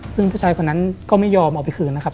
ซึ่งผู้ชายคนนั้นก็ไม่ยอมเอาไปคืนนะครับ